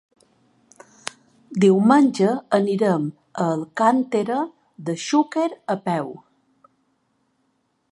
Diumenge anirem a Alcàntera de Xúquer a peu.